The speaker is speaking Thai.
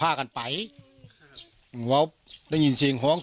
ว่าอะไรได้ยินซิ่งหน่า